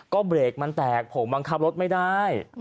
ก็เบรกมันแตกผมบังคับรถไม่ได้